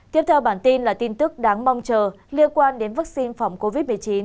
tiếp theo bản tin là tin tức đáng mong chờ liên quan đến vaccine phòng covid một mươi chín